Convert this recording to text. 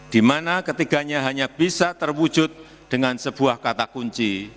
di mana ketiganya hanya bisa terwujud dengan sebuah kata kunci